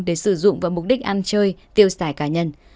để sử dụng vào mục đích ăn chơi tiêu xài cá nhân